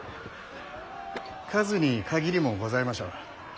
数に限りもございましょう。